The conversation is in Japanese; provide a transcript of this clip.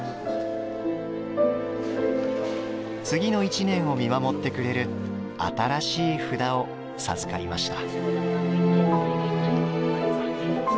次の１年を見守ってくれる新しい札を授かりました。